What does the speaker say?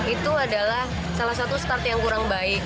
itu adalah salah satu start yang kurang baik